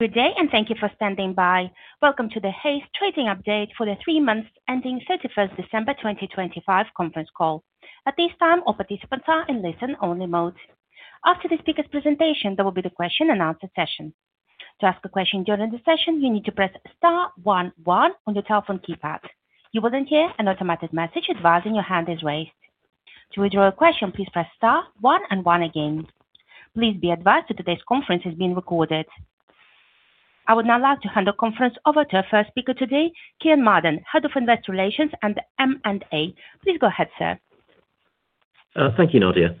Good day, and thank you for standing by. Welcome to the Hays Trading update for the three months ending 31st December 2025 conference call. At this time, all participants are in listen-only mode. After the speaker's presentation, there will be the question and answer session. To ask a question during the session, you need to press star one one on your telephone keypad. You will then hear an automated message advising your hand is raised. To withdraw your question, please press star and one again. Please be advised that today's conference is being recorded. I would now like to hand the conference over to our first speaker today, Kean Marden, Head of Investor Relations at Hays. Please go ahead, sir. Thank you, Nadia.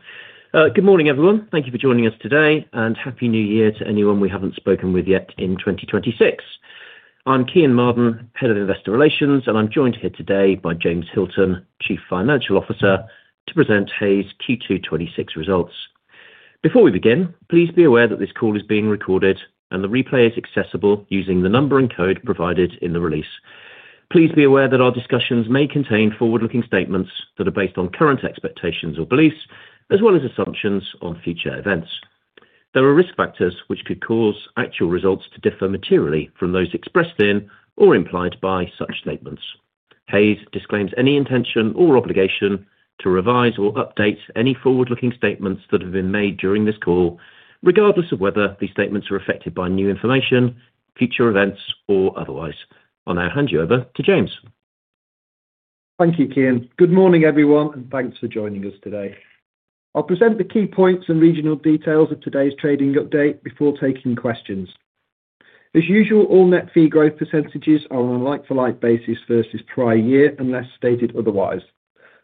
Good morning, everyone. Thank you for joining us today, and happy new year to anyone we haven't spoken with yet in 2026. I'm Kean Marden, Head of Investor Relations, and I'm joined here today by James Hilton, Chief Financial Officer, to present Hays Q2 2026 results. Before we begin, please be aware that this call is being recorded, and the replay is accessible using the number and code provided in the release. Please be aware that our discussions may contain forward-looking statements that are based on current expectations or beliefs, as well as assumptions on future events. There are risk factors which could cause actual results to differ materially from those expressed in or implied by such statements. Hays disclaims any intention or obligation to revise or update any forward-looking statements that have been made during this call, regardless of whether these statements are affected by new information, future events, or otherwise. I'll now hand you over to James. Thank you, Kean. Good morning, everyone, and thanks for joining us today. I'll present the key points and regional details of today's trading update before taking questions. As usual, all net fee growth percentages are on a like-for-like basis versus prior year, unless stated otherwise,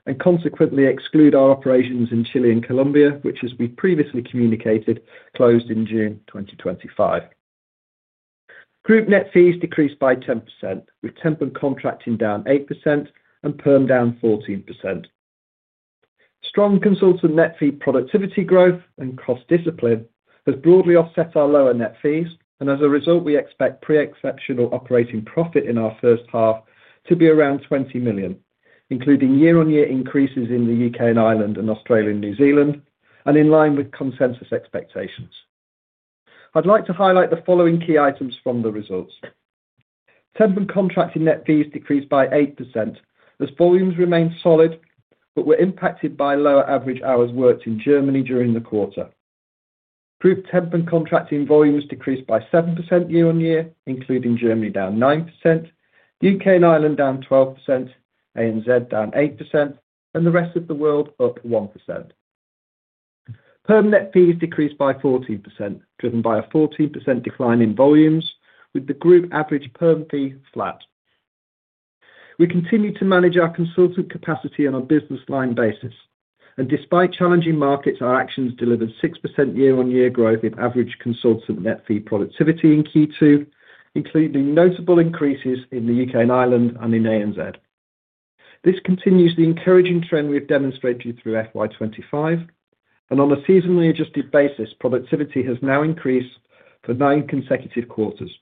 and consequently exclude our operations in Chile and Colombia, which, as we've previously communicated, closed in June 2025. Group net fees decreased by 10%, with TEMP and contracting down 8% and PERM down 14%. Strong consultant net fee productivity growth and cost discipline has broadly offset our lower net fees, and as a result, we expect pre-exceptional operating profit in our first half to be around 20 million, including year-on-year increases in the U.K. and Ireland and Australia and New Zealand, and in line with consensus expectations. I'd like to highlight the following key items from the results. TEMP and contracting net fees decreased by 8% as volumes remained solid, but were impacted by lower average hours worked in Germany during the quarter. Group TEMP and contracting volumes decreased by 7% year-on-year, including Germany down 9%, U.K. and Ireland down 12%, ANZ down 8%, and the rest of the world up 1%. PERM net fees decreased by 14%, driven by a 14% decline in volumes, with the group average PERM fee flat. We continue to manage our consultant capacity on a business-line basis, and despite challenging markets, our actions delivered 6% year-on-year growth in average consultant net fee productivity in Q2, including notable increases in the U.K. and Ireland and in ANZ. This continues the encouraging trend we've demonstrated through FY 2025, and on a seasonally adjusted basis, productivity has now increased for nine consecutive quarters.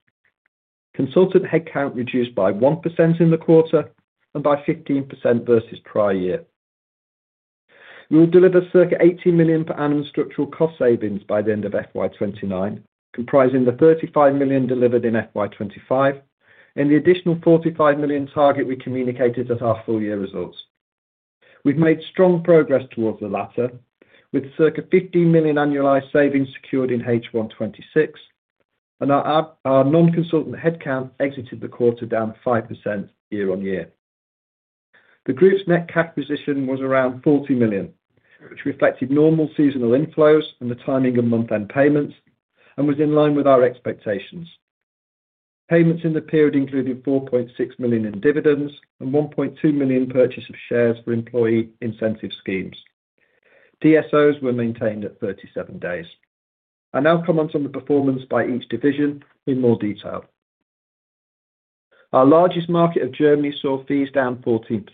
Consultant headcount reduced by 1% in the quarter and by 15% versus prior year. We will deliver circa 18 million per annum structural cost savings by the end of FY 2029, comprising the 35 million delivered in FY 2025 and the additional 45 million target we communicated at our full-year results. We've made strong progress towards the latter, with circa 15 million annualized savings secured in H1 26, and our non-consultant headcount exited the quarter down 5% year-on-year. The group's net cash position was around 40 million, which reflected normal seasonal inflows and the timing of month-end payments, and was in line with our expectations. Payments in the period included 4.6 million in dividends and 1.2 million purchase of shares for employee incentive schemes. DSOs were maintained at 37 days. I now comment on the performance by each division in more detail. Our largest market of Germany saw fees down 14%.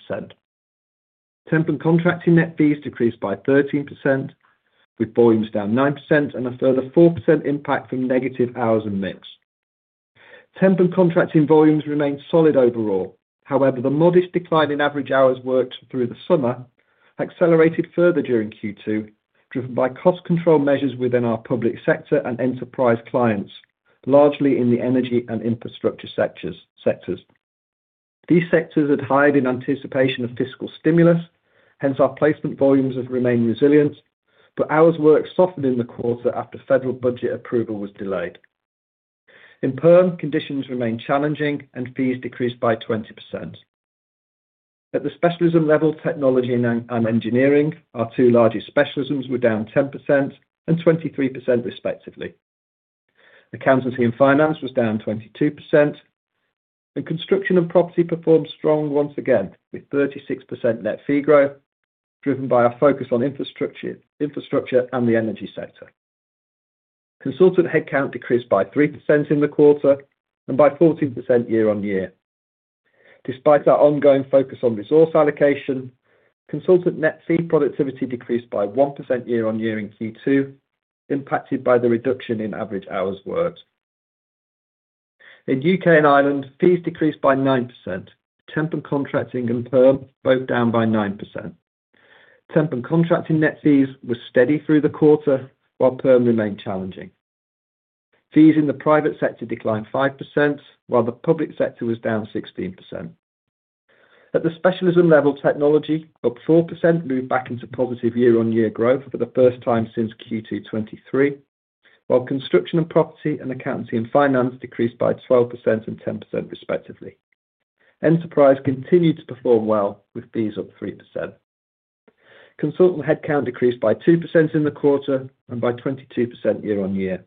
TEMP and contracting net fees decreased by 13%, with volumes down 9% and a further 4% impact from negative hours and mix. TEMP and contracting volumes remained solid overall. However, the modest decline in average hours worked through the summer accelerated further during Q2, driven by cost control measures within our public sector and enterprise clients, largely in the energy and infrastructure sectors. These sectors had hired in anticipation of fiscal stimulus. Hence, our placement volumes have remained resilient, but hours worked softened in the quarter after federal budget approval was delayed. In PERM, conditions remained challenging, and fees decreased by 20%. At the specialism level, technology and engineering, our two largest specialisms were down 10% and 23% respectively. Accountancy and finance was down 22%, and construction and property performed strong once again, with 36% net fee growth, driven by our focus on infrastructure and the energy sector. Consultant headcount decreased by 3% in the quarter and by 14% year-on-year. Despite our ongoing focus on resource allocation, consultant net fee productivity decreased by 1% year-on-year in Q2, impacted by the reduction in average hours worked. In U.K. and Ireland, fees decreased by 9%. TEMP and contracting and PERM both down by 9%. TEMP and contracting net fees were steady through the quarter, while PERM remained challenging. Fees in the private sector declined 5%, while the public sector was down 16%. At the specialism level, technology up 4%, moved back into positive year-on-year growth for the first time since Q2 2023, while construction and property and accountancy and finance decreased by 12% and 10% respectively. Enterprise continued to perform well, with fees up 3%. Consultant headcount decreased by 2% in the quarter and by 22% year-on-year.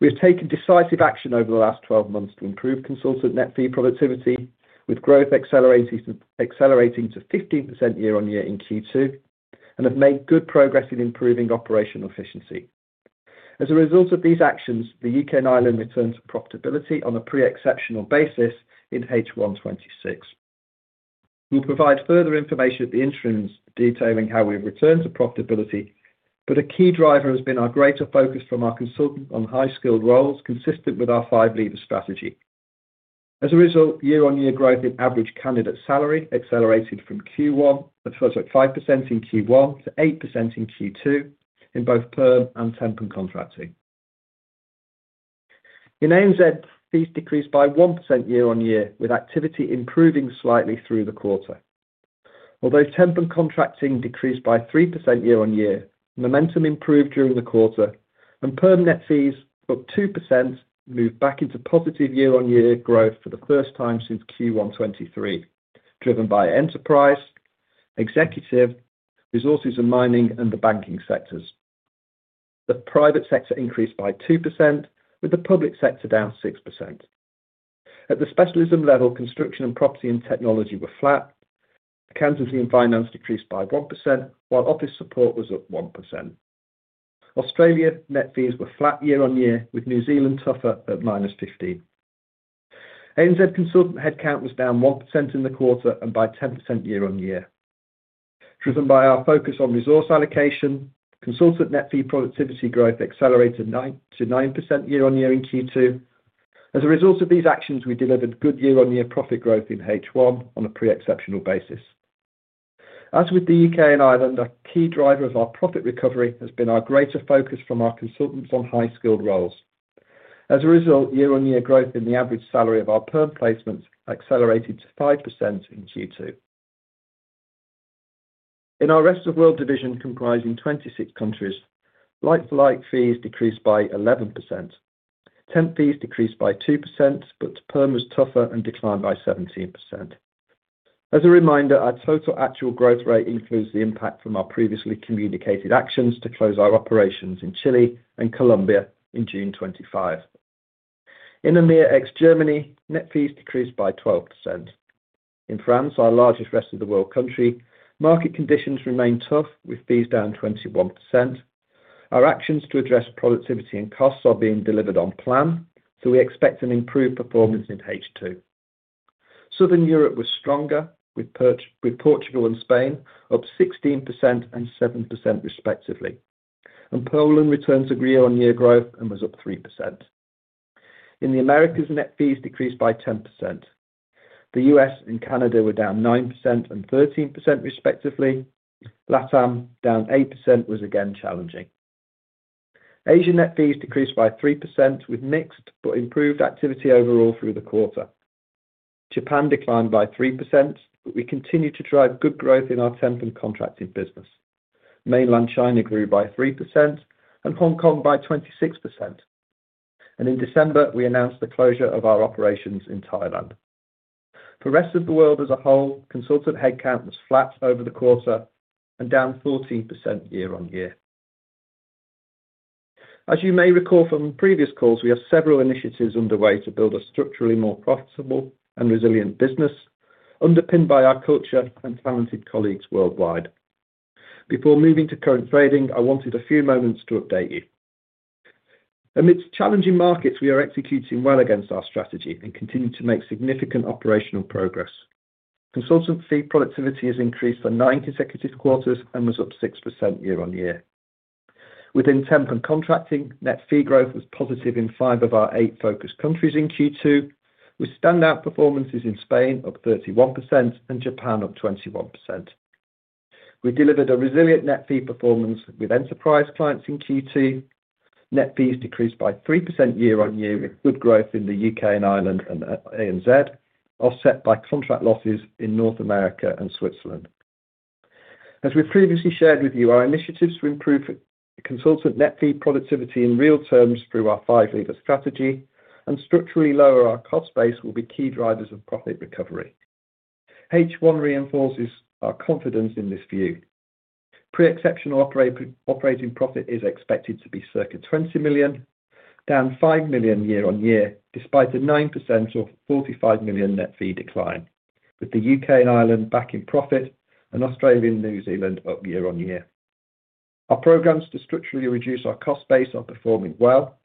We have taken decisive action over the last 12 months to improve consultant net fee productivity, with growth accelerating to 15% year-on-year in Q2, and have made good progress in improving operational efficiency. As a result of these actions, the U.K. and Ireland returned to profitability on a pre-exceptional basis in H1 26. We'll provide further information at the interim detailing how we've returned to profitability, but a key driver has been our greater focus from our consultant on high-skilled roles, consistent with our Five Levers strategy. As a result, year-on-year growth in average candidate salary accelerated from 5% in Q1 to 8% in Q2 in both PERM and TEMP and contracting. In ANZ, fees decreased by 1% year-on-year, with activity improving slightly through the quarter. Although TEMP and contracting decreased by 3% year-on-year, momentum improved during the quarter, and PERM net fees up 2% moved back into positive year-on-year growth for the first time since Q1 2023, driven by enterprise, executive, resources and mining, and the banking sectors. The private sector increased by 2%, with the public sector down 6%. At the specialism level, construction and property and technology were flat. Accountancy and finance decreased by 1%, while office support was up 1%. Australia net fees were flat year-on-year, with New Zealand tougher at -15%. ANZ consultant headcount was down 1% in the quarter and by 10% year-on-year. Driven by our focus on resource allocation, consultant net fee productivity growth accelerated to 9% year-on-year in Q2. As a result of these actions, we delivered good year-on-year profit growth in H1 on a pre-exceptional basis. As with the U.K. and Ireland, a key driver of our profit recovery has been our greater focus from our consultants on high-skilled roles. As a result, year-on-year growth in the average salary of our PERM placements accelerated to 5% in Q2. In our Rest of World division comprising 26 countries, like-for-like fees decreased by 11%. TEMP fees decreased by 2%, but PERM was tougher and declined by 17%. As a reminder, our total actual growth rate includes the impact from our previously communicated actions to close our operations in Chile and Colombia in June 2025. In EMEA ex-Germany, net fees decreased by 12%. In France, our largest Rest of World country, market conditions remain tough, with fees down 21%. Our actions to address productivity and costs are being delivered on plan, so we expect an improved performance in H2. Southern Europe was stronger, with Portugal and Spain up 16% and 7% respectively, and Poland returned to year-on-year growth and was up 3%. In the Americas, net fees decreased by 10%. The U.S. and Canada were down 9% and 13% respectively. LATAM, down 8%, was again challenging. Asia, net fees decreased by 3%, with mixed but improved activity overall through the quarter. Japan declined by 3%, but we continued to drive good growth in our TEMP and contracting business. Mainland China grew by 3%, and Hong Kong by 26%. And in December, we announced the closure of our operations in Thailand. For the rest of the world as a whole, consultant headcount was flat over the quarter and down 14% year-on-year. As you may recall from previous calls, we have several initiatives underway to build a structurally more profitable and resilient business, underpinned by our culture and talented colleagues worldwide. Before moving to current trading, I wanted a few moments to update you. Amidst challenging markets, we are executing well against our strategy and continue to make significant operational progress. Consultant fee productivity has increased for nine consecutive quarters and was up 6% year-on-year. Within TEMP and contracting, net fee growth was positive in five of our eight focus countries in Q2, with standout performances in Spain up 31% and Japan up 21%. We delivered a resilient net fee performance with enterprise clients in Q2. Net fees decreased by 3% year-on-year with good growth in the U.K. and Ireland and ANZ, offset by contract losses in North America and Switzerland. As we've previously shared with you, our initiatives to improve consultant net fee productivity in real terms through our Five Levers strategy and structurally lower our cost base will be key drivers of profit recovery. H1 reinforces our confidence in this view. Pre-exceptional operating profit is expected to be circa 20 million, down 5 million year-on-year, despite a 9% or 45 million net fee decline, with the U.K. and Ireland back in profit and Australia and New Zealand up year-on-year. Our programs to structurally reduce our cost base are performing well,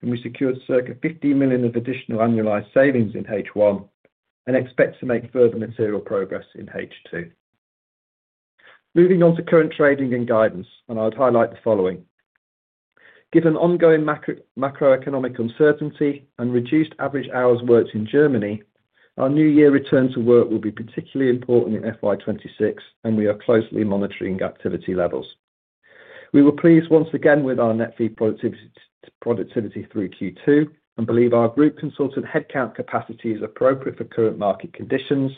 and we secured circa 15 million of additional annualized savings in H1 and expect to make further material progress in H2. Moving on to current trading and guidance, and I'd highlight the following. Given ongoing macroeconomic uncertainty and reduced average hours worked in Germany, our new year return to work will be particularly important in FY 2026, and we are closely monitoring activity levels. We were pleased once again with our net fee productivity through Q2 and believe our group consultant headcount capacity is appropriate for current market conditions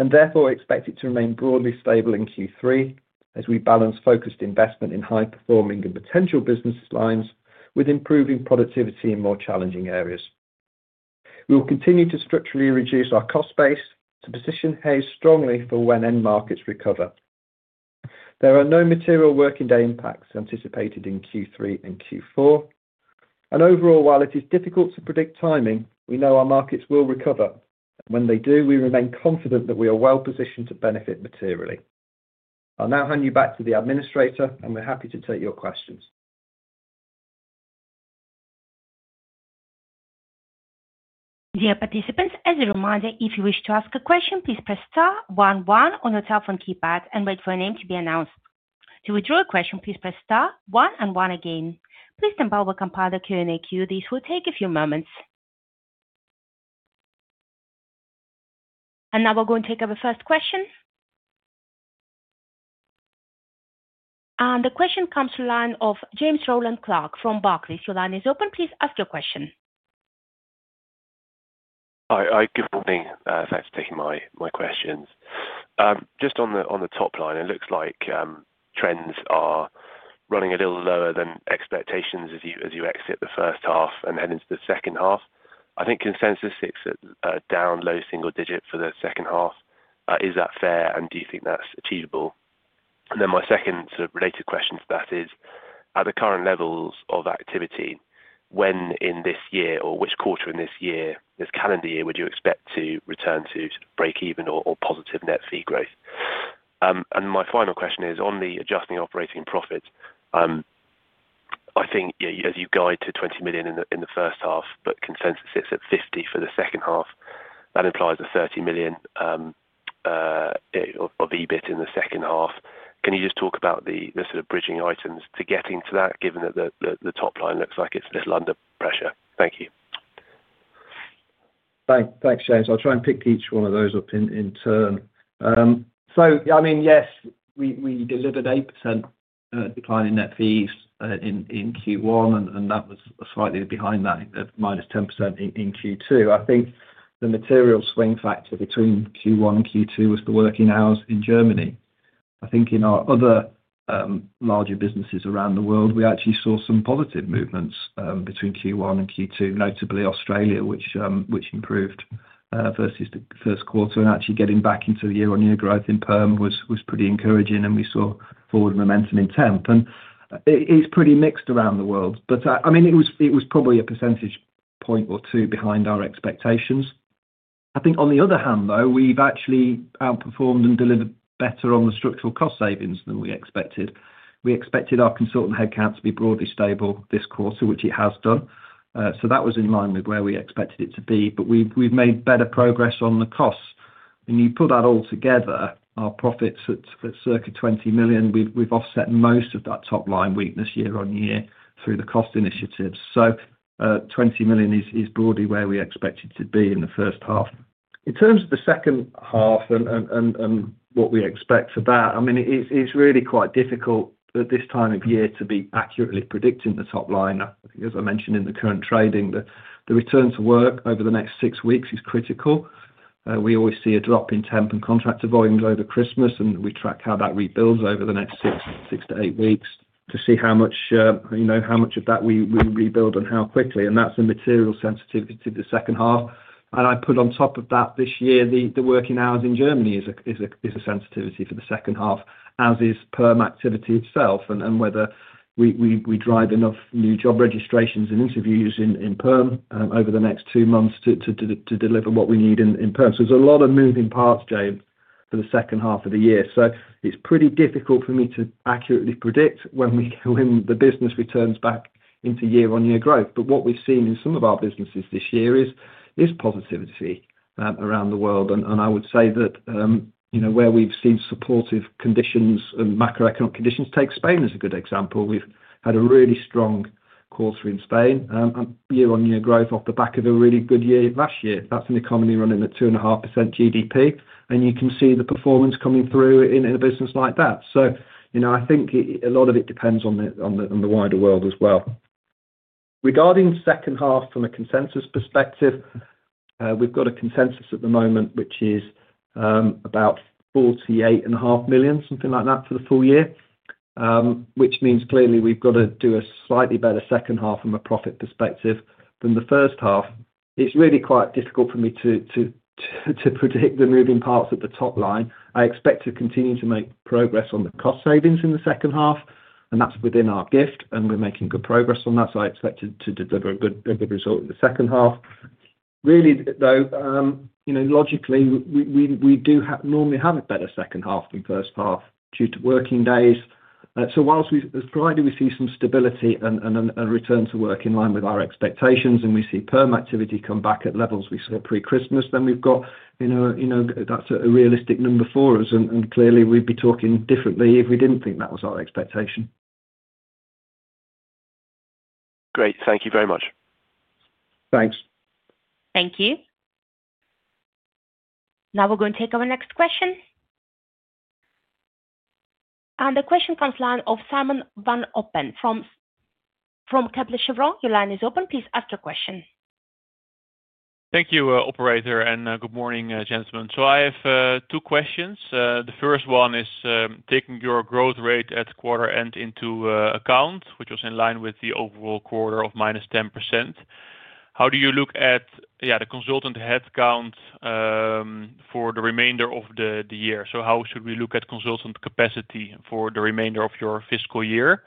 and therefore expect it to remain broadly stable in Q3 as we balance focused investment in high-performing and potential business lines with improving productivity in more challenging areas. We will continue to structurally reduce our cost base to position Hays strongly for when end markets recover. There are no material working day impacts anticipated in Q3 and Q4. Overall, while it is difficult to predict timing, we know our markets will recover. When they do, we remain confident that we are well positioned to benefit materially. I'll now hand you back to the administrator, and we're happy to take your questions. Dear participants, as a reminder, if you wish to ask a question, please press star one one on your telephone keypad and wait for your name to be announced. To withdraw a question, please press star one and one again. Please then confirm the Q&A queue. This will take a few moments. And now we're going to take our first question. And the question comes from the line of James Rowland Clark from Barclays. Your line is open. Please ask your question. Hi, good morning. Thanks for taking my questions. Just on the top line, it looks like trends are running a little lower than expectations as you exit the first half and head into the second half. I think consensus is down low single digit for the second half. Is that fair, and do you think that's achievable? Then my second sort of related question to that is, at the current levels of activity, when in this year or which quarter in this year, this calendar year, would you expect to return to break-even or positive net fee growth? And my final question is, on the adjusting operating profit, I think as you guide to 20 million in the first half, but consensus sits at 50 million for the second half. That implies a 30 million of EBIT in the second half. Can you just talk about the sort of bridging items to getting to that, given that the top line looks like it's a little under pressure? Thank you. Thanks, James. I'll try and pick each one of those up in turn. I mean, yes, we delivered 8% decline in net fees in Q1, and that was slightly behind that -10% in Q2. I think the material swing factor between Q1 and Q2 was the working hours in Germany. I think in our other larger businesses around the world, we actually saw some positive movements between Q1 and Q2, notably Australia, which improved versus the first quarter, and actually getting back into the year-on-year growth in PERM was pretty encouraging, and we saw forward momentum in TEMP, and it's pretty mixed around the world, but I mean, it was probably a percentage point or two behind our expectations. I think on the other hand, though, we've actually outperformed and delivered better on the structural cost savings than we expected. We expected our consultant headcount to be broadly stable this quarter, which it has done, so that was in line with where we expected it to be, but we've made better progress on the costs. When you put that all together, our profits at circa 20 million, we've offset most of that top line weakness year-on-year through the cost initiatives. So 20 million is broadly where we expected to be in the first half. In terms of the second half and what we expect for that, I mean, it's really quite difficult at this time of year to be accurately predicting the top line. As I mentioned in the current trading, the return to work over the next six weeks is critical. We always see a drop in TEMP and contractor volumes over Christmas, and we track how that rebuilds over the next six to eight weeks to see how much of that we rebuild and how quickly. And that's the material sensitivity to the second half. And I put on top of that this year, the working hours in Germany is a sensitivity for the second half, as is PERM activity itself and whether we drive enough new job registrations and interviews in PERM over the next two months to deliver what we need in PERM. So there's a lot of moving parts, James, for the second half of the year. So it's pretty difficult for me to accurately predict when the business returns back into year-on-year growth. But what we've seen in some of our businesses this year is positivity around the world. And I would say that where we've seen supportive conditions and macroeconomic conditions, take Spain as a good example. We've had a really strong quarter in Spain and year-on-year growth off the back of a really good year last year. That's an economy running at 2.5% GDP, and you can see the performance coming through in a business like that. So I think a lot of it depends on the wider world as well. Regarding second half from a consensus perspective, we've got a consensus at the moment, which is about 48.5 million, something like that, for the full year, which means clearly we've got to do a slightly better second half from a profit perspective than the first half. It's really quite difficult for me to predict the moving parts at the top line. I expect to continue to make progress on the cost savings in the second half, and that's within our gift, and we're making good progress on that, so I expect to deliver a good result in the second half. Really, though, logically, we do normally have a better second half than first half due to working days. So as rightly we see some stability and return to work in line with our expectations, and we see PERM activity come back at levels we saw pre-Christmas, then we've got, that's a realistic number for us, and clearly we'd be talking differently if we didn't think that was our expectation. Great. Thank you very much. Thanks. Thank you. Now we're going to take our next question, and the question comes from Simon van Oppen from Kepler Cheuvreux. Your line is open. Please ask your question. Thank you, Operator, and good morning, gentlemen. So I have two questions. The first one is taking your growth rate at quarter end into account, which was in line with the overall quarter of -10%. How do you look at the consultant headcount for the remainder of the year? So how should we look at consultant capacity for the remainder of your fiscal year?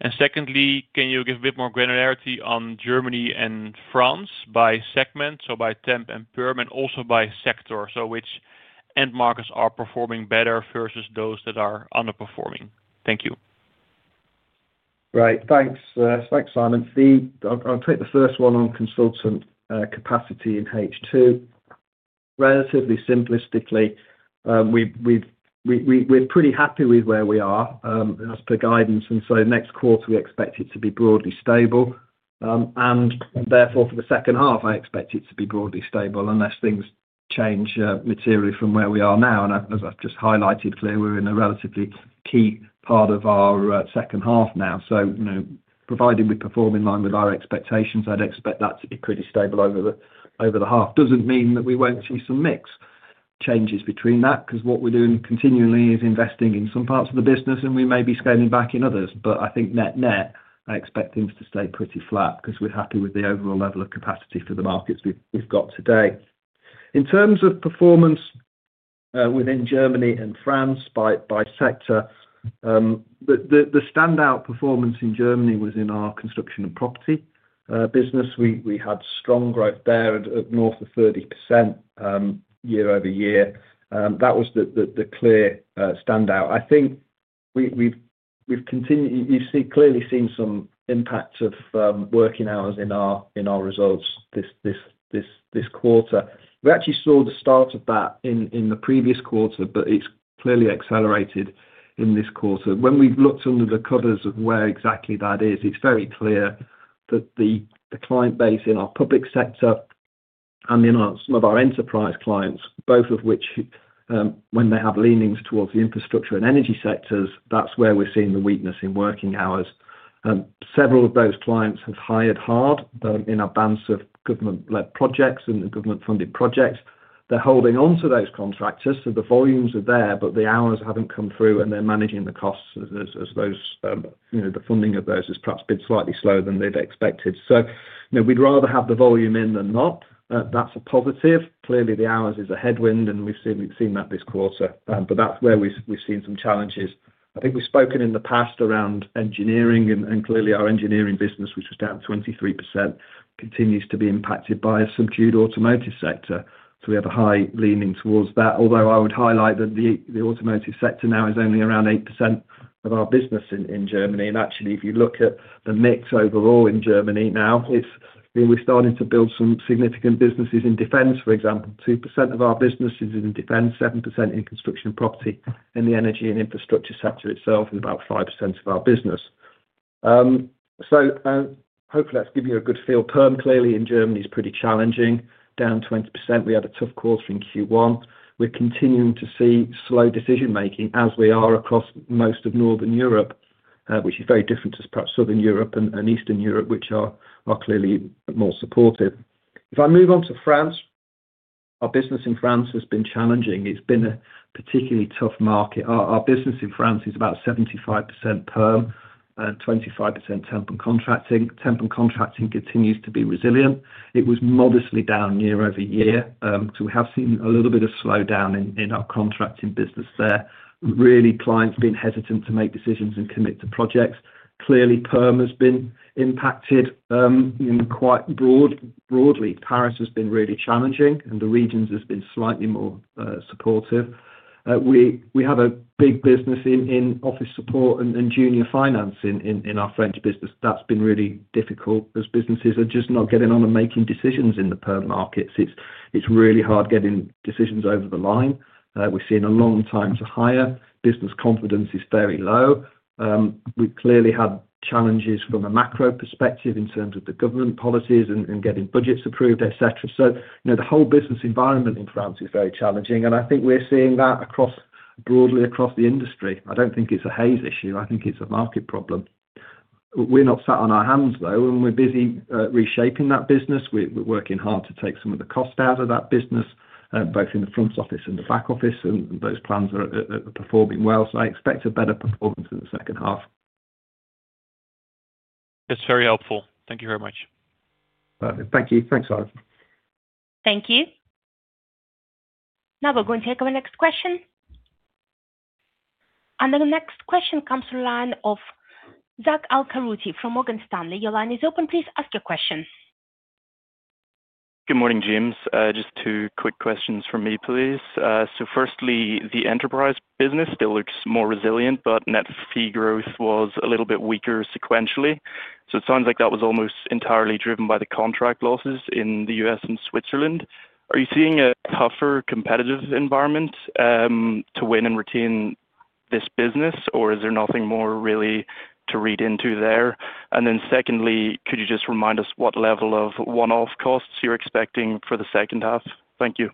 And secondly, can you give a bit more granularity on Germany and France by segment, so by TEMP and PERM, and also by sector, so which end markets are performing better versus those that are underperforming? Thank you. Right. Thanks, Simon. I'll take the first one on consultant capacity in H2. Relatively simplistically, we're pretty happy with where we are as per guidance, and so next quarter, we expect it to be broadly stable. And therefore, for the second half, I expect it to be broadly stable unless things change materially from where we are now. And as I've just highlighted, clearly, we're in a relatively key part of our second half now. Provided we perform in line with our expectations, I'd expect that to be pretty stable over the half. Doesn't mean that we won't see some mixed changes between that because what we're doing continually is investing in some parts of the business, and we may be scaling back in others. But I think net net, I expect things to stay pretty flat because we're happy with the overall level of capacity for the markets we've got today. In terms of performance within Germany and France by sector, the standout performance in Germany was in our construction and property business. We had strong growth there at north of 30% year-over-year. That was the clear standout. I think we've clearly seen some impacts of working hours in our results this quarter. We actually saw the start of that in the previous quarter, but it's clearly accelerated in this quarter. When we've looked under the covers of where exactly that is, it's very clear that the client base in our public sector and some of our enterprise clients, both of which, when they have leanings towards the infrastructure and energy sectors, that's where we're seeing the weakness in working hours. Several of those clients have hired hard in advance of government-led projects and government-funded projects. They're holding on to those contractors, so the volumes are there, but the hours haven't come through, and they're managing the costs as those, the funding of those has perhaps been slightly slower than they'd expected. So we'd rather have the volume in than not. That's a positive. Clearly, the hours is a headwind, and we've seen that this quarter, but that's where we've seen some challenges. I think we've spoken in the past around engineering, and clearly, our engineering business, which was down 23%, continues to be impacted by a subdued automotive sector. So we have a high leaning towards that, although I would highlight that the automotive sector now is only around 8% of our business in Germany. And actually, if you look at the mix overall in Germany now, we're starting to build some significant businesses in defense. For example, 2% of our business is in defense, 7% in construction and property, and the energy and infrastructure sector itself is about 5% of our business. So hopefully, that's giving you a good feel. PERM, clearly, in Germany is pretty challenging. Down 20%. We had a tough quarter in Q1. We're continuing to see slow decision-making as we are across most of northern Europe, which is very different to perhaps southern Europe and eastern Europe, which are clearly more supportive. If I move on to France, our business in France has been challenging. It's been a particularly tough market. Our business in France is about 75% PERM and 25% TEMP and contracting. TEMP and contracting continues to be resilient. It was modestly down year-over-year, so we have seen a little bit of slowdown in our contracting business there. Really, clients have been hesitant to make decisions and commit to projects. Clearly, PERM has been impacted quite broadly. Paris has been really challenging, and the regions have been slightly more supportive. We have a big business in office support and junior finance in our French business. That's been really difficult as businesses are just not getting on and making decisions in the PERM markets. It's really hard getting decisions over the line. We've seen a long time to hire. Business confidence is very low. We've clearly had challenges from a macro perspective in terms of the government policies and getting budgets approved, etc. So the whole business environment in France is very challenging, and I think we're seeing that broadly across the industry. I don't think it's a Hays issue. I think it's a market problem. We're not sat on our hands, though, and we're busy reshaping that business. We're working hard to take some of the cost out of that business, both in the front office and the back office, and those plans are performing well. So I expect a better performance in the second half. It's very helpful. Thank you very much. Thank you. Thanks, Simon. Thank you. Now we're going to take our next question. And then the next question comes from the line of Zack Al-Qaryooti from Morgan Stanley. Your line is open. Please ask your question. Good morning, James. Just two quick questions for me, please. So firstly, the enterprise business still looks more resilient, but net fee growth was a little bit weaker sequentially. So it sounds like that was almost entirely driven by the contract losses in the U.S. and Switzerland. Are you seeing a tougher competitive environment to win and retain this business, or is there nothing more really to read into there? And then secondly, could you just remind us what level of one-off costs you're expecting for the second half? Thank you.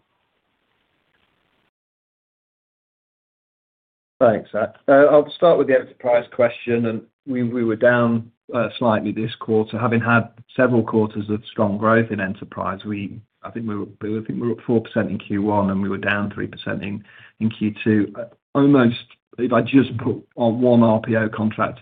Thanks. I'll start with the enterprise question, and we were down slightly this quarter. Having had several quarters of strong growth in enterprise, I think we were up 4% in Q1, and we were down 3% in Q2. Almost, if I just put our one RPO contract,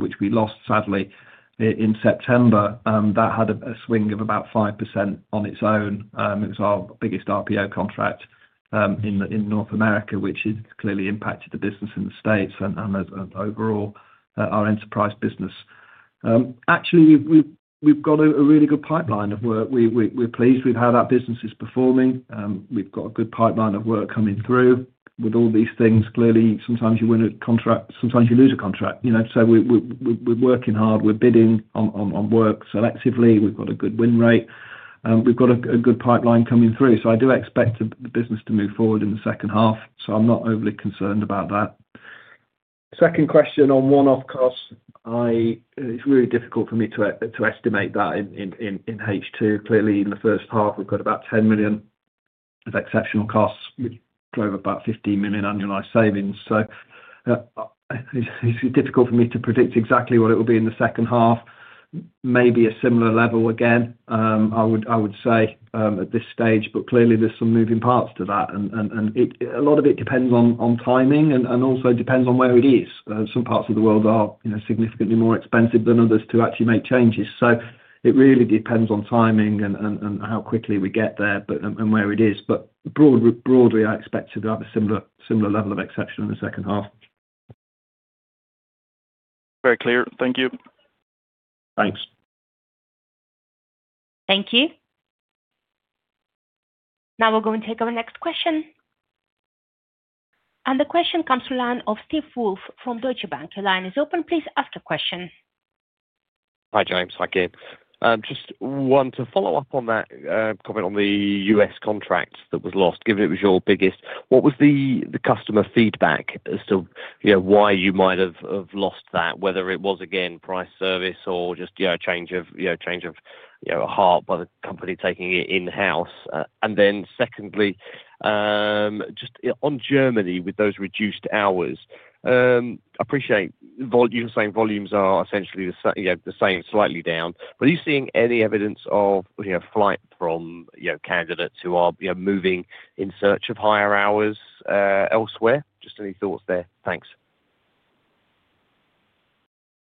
which we lost, sadly, in September, that had a swing of about 5% on its own. It was our biggest RPO contract in North America, which has clearly impacted the business in the States and overall our enterprise business. Actually, we've got a really good pipeline of work. We're pleased with how that business is performing. We've got a good pipeline of work coming through. With all these things, clearly, sometimes you win a contract, sometimes you lose a contract. So we're working hard. We're bidding on work selectively. We've got a good win rate. We've got a good pipeline coming through. So I do expect the business to move forward in the second half, so I'm not overly concerned about that. Second question on one-off costs. It's really difficult for me to estimate that in H2. Clearly, in the first half, we've got about 10 million of exceptional costs with over about 15 million annualized savings. So it's difficult for me to predict exactly what it will be in the second half. Maybe a similar level again, I would say, at this stage, but clearly, there's some moving parts to that. And a lot of it depends on timing and also depends on where it is. Some parts of the world are significantly more expensive than others to actually make changes. So it really depends on timing and how quickly we get there and where it is. But broadly, I expect to have a similar level of exception in the second half. Very clear. Thank you. Thanks. Thank you. Now we're going to take our next question. And the question comes from the line of Steve Woolf from Deutsche Bank. Your line is open. Please ask your question. Hi, James. Hi, Kean. Just want to follow up on that comment on the U.S. contract that was lost. Given it was your biggest, what was the customer feedback as to why you might have lost that, whether it was, again, price, service, or just a change of heart by the company taking it in-house? And then secondly, just on Germany with those reduced hours, I appreciate you're saying volumes are essentially the same, slightly down. But are you seeing any evidence of flight from candidates who are moving in search of higher hours elsewhere? Just any thoughts there? Thanks.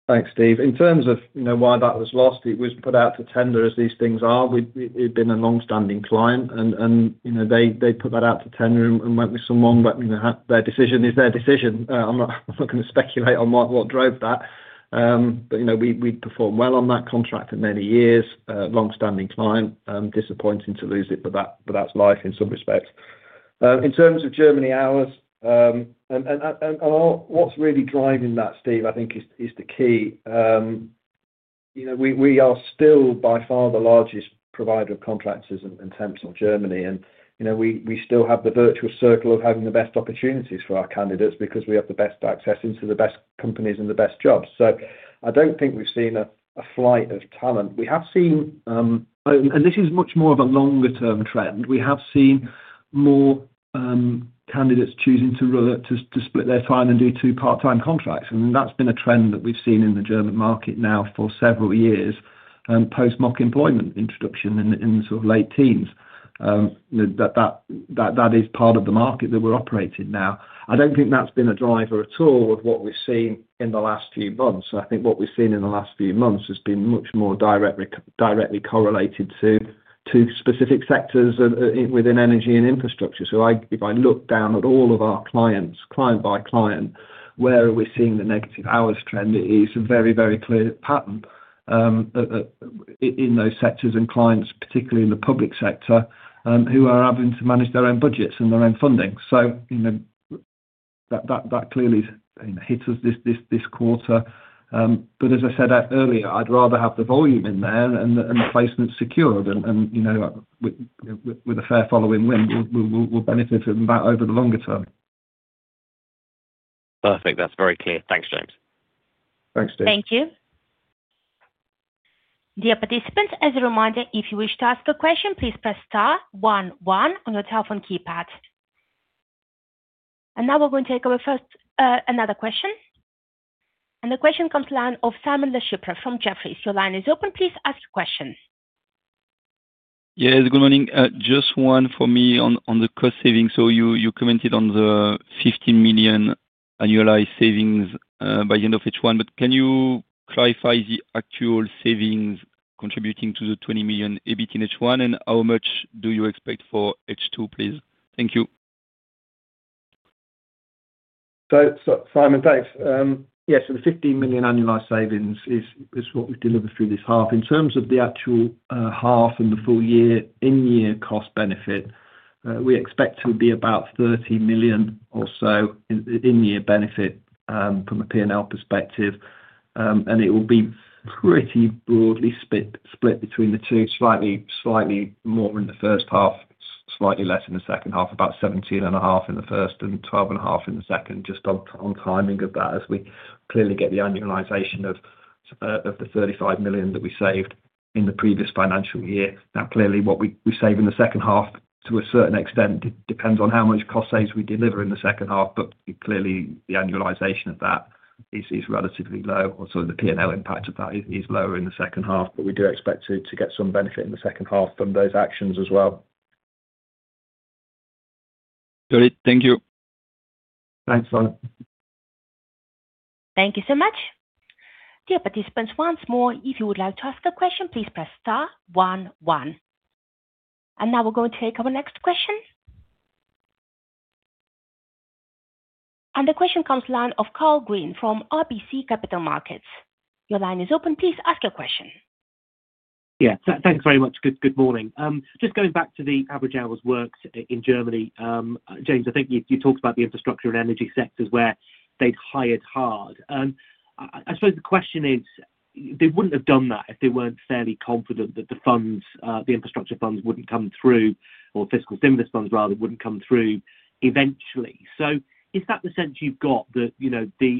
Thanks, Steve. In terms of why that was lost, it was put out to tender as these things are. We've been a long-standing client, and they put that out to tender and went with someone, but their decision is their decision. I'm not going to speculate on what drove that, but we'd performed well on that contract for many years. Long-standing client. Disappointing to lose it, but that's life in some respects. In terms of Germany, ours, and what's really driving that, Steve, I think, is the key. We are still by far the largest provider of contractors and temps in Germany, and we still have the virtuous circle of having the best opportunities for our candidates because we have the best access into the best companies and the best jobs. So I don't think we've seen a flight of talent. We have seen, and this is much more of a longer-term trend. We have seen more candidates choosing to split their time and do two part-time contracts. And that's been a trend that we've seen in the German market now for several years, post mock employment introduction in the sort of late teens. That is part of the market that we're operating now. I don't think that's been a driver at all of what we've seen in the last few months. I think what we've seen in the last few months has been much more directly correlated to specific sectors within energy and infrastructure. So if I look down at all of our clients, client by client, where are we seeing the negative hours trend? It is a very, very clear pattern in those sectors and clients, particularly in the public sector, who are having to manage their own budgets and their own funding. So that clearly hits us this quarter. But as I said earlier, I'd rather have the volume in there and the placement secured. And with a fair following win, we'll benefit from that over the longer term. Perfect. That's very clear. Thanks, James. Thanks, Steve. Thank you. Dear participants, as a reminder, if you wish to ask a question, please press star one one on your telephone keypad. And now we're going to take over first another question. And the question comes to the line of Simon Lechipre from Jefferies. Your line is open. Please ask your question. Yes, good morning. Just one for me on the cost savings. You commented on the 15 million annualized savings by the end of H1, but can you clarify the actual savings contributing to the 20 million EBIT in H1, and how much do you expect for H2, please? Thank you. Simon, thanks. Yes, so the 15 million annualized savings is what we've delivered through this half. In terms of the actual half and the full year in-year cost benefit, we expect to be about 30 million or so in-year benefit from a P&L perspective. And it will be pretty broadly split between the two, slightly more in the first half, slightly less in the second half, about 17.5 million in the first and 12.5 million in the second, just on timing of that as we clearly get the annualization of the 35 million that we saved in the previous financial year. Now, clearly, what we save in the second half to a certain extent depends on how much cost savings we deliver in the second half, but clearly, the annualization of that is relatively low. So the P&L impact of that is lower in the second half, but we do expect to get some benefit in the second half from those actions as well. Got it. Thank you. Thanks, Simon. Thank you so much. Dear participants, once more, if you would like to ask a question, please press star one one. And now we're going to take our next question. And the question comes to the line of Karl Green from RBC Capital Markets. Your line is open. Please ask your question. Yeah. Thanks very much. Good morning. Just going back to the average hours worked in Germany, James, I think you talked about the infrastructure and energy sectors where they'd hired hard. I suppose the question is, they wouldn't have done that if they weren't fairly confident that the infrastructure funds wouldn't come through, or fiscal stimulus funds rather wouldn't come through eventually. So is that the sense you've got that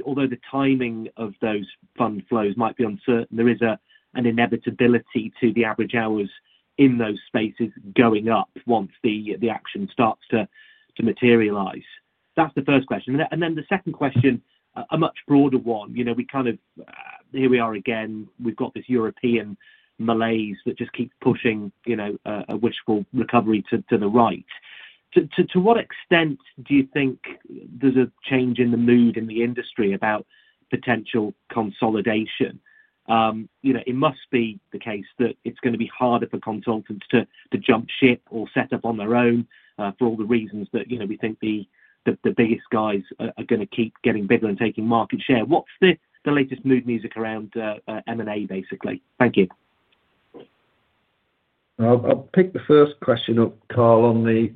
although the timing of those fund flows might be uncertain, there is an inevitability to the average hours in those spaces going up once the action starts to materialize? That's the first question. And then the second question, a much broader one. We kind of, here we are again. We've got this European malaise that just keeps pushing a wishful recovery to the right. To what extent do you think there's a change in the mood in the industry about potential consolidation? It must be the case that it's going to be harder for consultants to jump ship or set up on their own for all the reasons that we think the biggest guys are going to keep getting bigger and taking market share. What's the latest mood music around M&A, basically? Thank you. I'll pick the first question up, Carl, on this: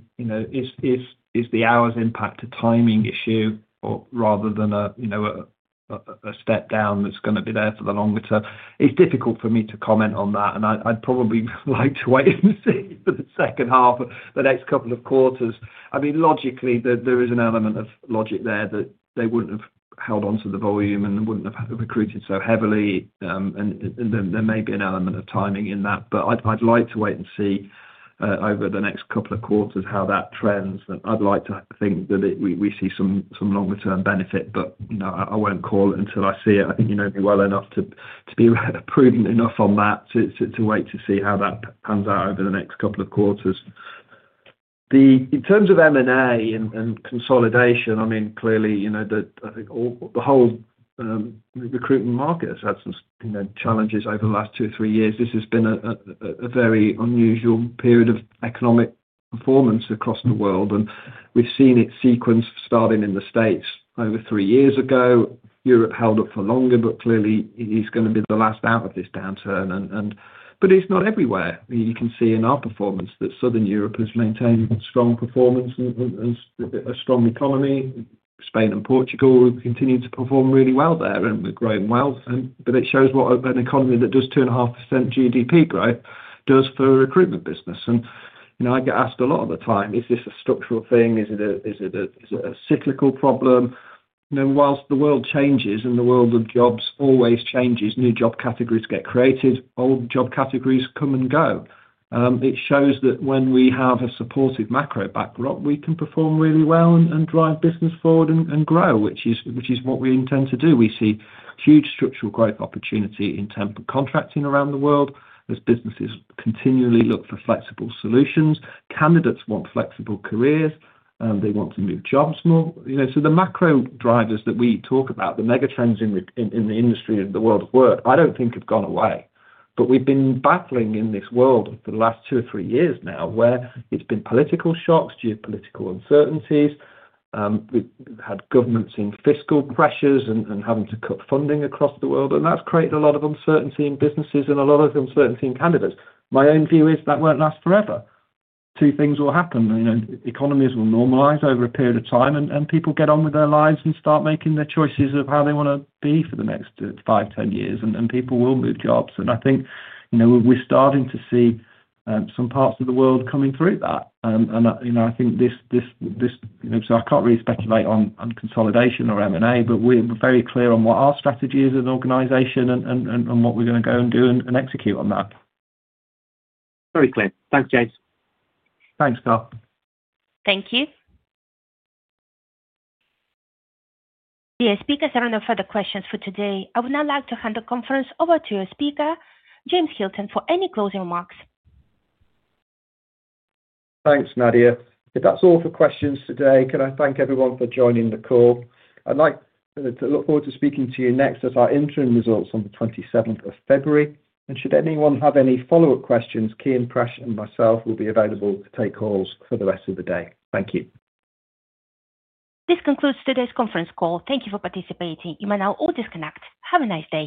is the hours impact a timing issue rather than a step down that's going to be there for the longer term? It's difficult for me to comment on that, and I'd probably like to wait and see for the second half of the next couple of quarters. I mean, logically, there is an element of logic there that they wouldn't have held on to the volume and wouldn't have recruited so heavily. There may be an element of timing in that, but I'd like to wait and see over the next couple of quarters how that trends. I'd like to think that we see some longer-term benefit, but I won't call it until I see it. I think you know me well enough to be prudent enough on that to wait to see how that pans out over the next couple of quarters. In terms of M&A and consolidation, I mean, clearly, the whole recruitment market has had some challenges over the last two or three years. This has been a very unusual period of economic performance across the world, and we've seen it sequence starting in the States over three years ago. Europe held up for longer, but clearly, it is going to be the last out of this downturn. It's not everywhere. You can see in our performance that Southern Europe has maintained strong performance and a strong economy. Spain and Portugal continue to perform really well there, and we're growing well. But it shows what an economy that does 2.5% GDP growth does for a recruitment business. And I get asked a lot of the time, is this a structural thing? Is it a cyclical problem? Whilst the world changes and the world of jobs always changes, new job categories get created, old job categories come and go. It shows that when we have a supportive macro backdrop, we can perform really well and drive business forward and grow, which is what we intend to do. We see huge structural growth opportunity in temp and contracting around the world as businesses continually look for flexible solutions. Candidates want flexible careers. They want to move jobs more. So the macro drivers that we talk about, the megatrends in the industry and the world of work, I don't think have gone away. But we've been battling in this world for the last two or three years now where it's been political shocks, geopolitical uncertainties. We've had governments in fiscal pressures and having to cut funding across the world, and that's created a lot of uncertainty in businesses and a lot of uncertainty in candidates. My own view is that won't last forever. Two things will happen. Economies will normalize over a period of time, and people get on with their lives and start making their choices of how they want to be for the next five, 10 years, and people will move jobs. And I think we're starting to see some parts of the world coming through that. And I think this so I can't really speculate on consolidation or M&A, but we're very clear on what our strategy is as an organization and what we're going to go and do and execute on that. Very clear. Thanks, James. Thanks, Karl. Thank you. Dear speakers, there are no further questions for today. I would now like to hand the conference over to your speaker, James Hilton, for any closing remarks. Thanks, Nadia. That's all for questions today. Can I thank everyone for joining the call? I'd like to look forward to speaking to you next as our interim results on the 27th of February. And should anyone have any follow-up questions, Kean, Prash, and myself will be available to take calls for the rest of the day. Thank you. This concludes today's conference call. Thank you for participating. You may now all disconnect. Have a nice day.